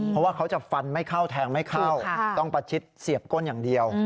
เพราะว่าเขาจะฟันไม่เข้าแทงไม่เข้าต้องประชิดเสียบก้นอย่างเดียว